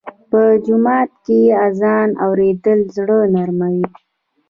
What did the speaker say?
په جومات کې اذان اورېدل زړه نرموي.